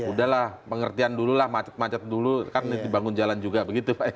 udahlah pengertian dululah macet macet dulu kan dibangun jalan juga begitu pak ya